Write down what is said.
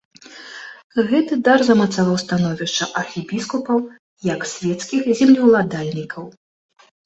Гэты дар замацаваў становішча архібіскупаў як свецкіх землеўладальнікаў.